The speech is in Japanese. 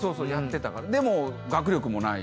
でも学力もないし。